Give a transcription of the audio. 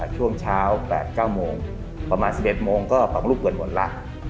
ช่วงเช้า๘๙โมงประมาณ๑๑โมงก็ของลูกเปิดหมดแล้ว